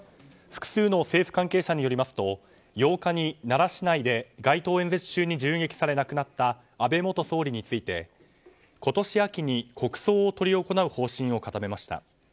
複数の政府関係者によりますと８日に奈良市内で街頭演説中に銃撃され亡くなった安倍元総理について今年秋に国葬を執り行う方針を固めました。